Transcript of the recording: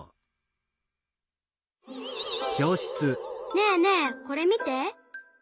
ねえねえこれみて。